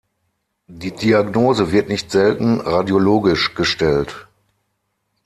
Die Diagnose wird nicht selten radiologisch gestellt.